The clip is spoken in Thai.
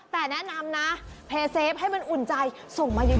แต่แนะนำนะเพเซฟให้มันอุ่นใจส่งมาเยอะ